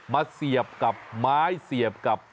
เสียบกับไม้เสียบกับ